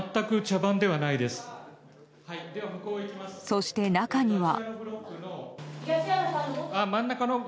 そして、中には。